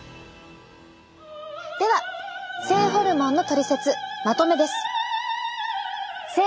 では性ホルモンのトリセツまとめです。